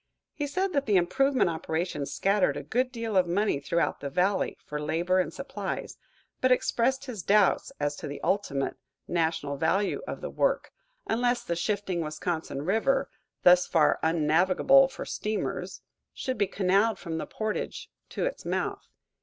He said that the improvement operations scattered a good deal of money throughout the valley, for labor and supplies, but expressed his doubts as to the ultimate national value of the work, unless the shifting Wisconsin River, thus far unnavigable for steamers, should be canalled from the portage to its mouth.